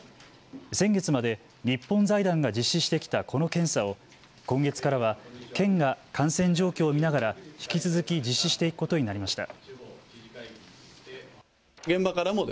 先月まで日本財団が実施してきたこの検査を今月からは県が感染状況を見ながら引き続き実施していくことになりました。